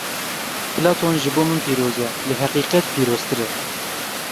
Platon ji bo min pîroz e, lê heqîqet pîroztir e.